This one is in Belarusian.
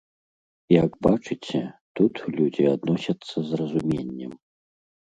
Як бачыце, тут людзі адносяцца з разуменнем.